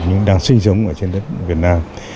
nhưng đang sinh sống ở trên đất việt nam